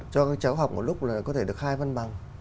cho các cháu học một lúc là có thể được hai văn bằng